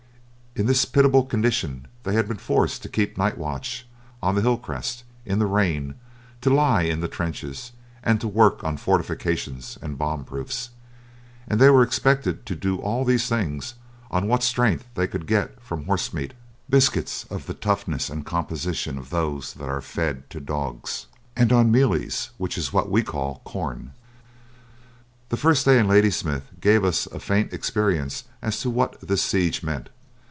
In this pitiable condition they had been forced to keep night watch on the hill crests, in the rain, to lie in the trenches, and to work on fortifications and bomb proofs. And they were expected to do all of these things on what strength they could get from horse meat, biscuits of the toughness and composition of those that are fed to dogs, and on "mealies," which is what we call corn. That first day in Ladysmith gave us a faint experience as to what the siege meant.